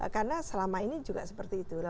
karena selama ini juga seperti itu